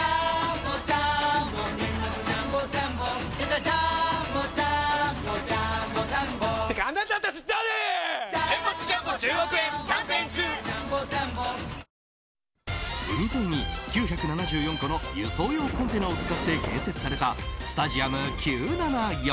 Ａ、解体して海沿いに９７４個の輸送用コンテナを使って建設されたスタジアム９７４。